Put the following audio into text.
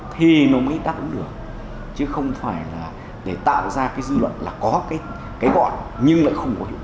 thì nó mới đáp ứng được chứ không phải là để tạo ra cái dư luận là có cái gọi nhưng lại không có hiệu quả